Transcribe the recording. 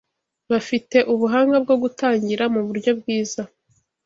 bafite ubuhanga bwo gutangira muburyo bwiza